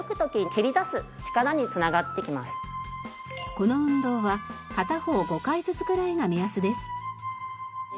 この運動は片方５回ずつくらいが目安です。